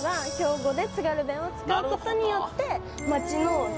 ことによって。